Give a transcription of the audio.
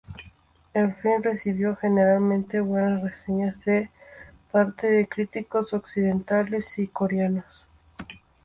El film recibió generalmente buenas reseñas de parte de críticos occidentales y coreanos.